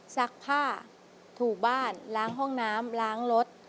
ซักผ้าถูบ้านล้างห้องน้ำล้างรถ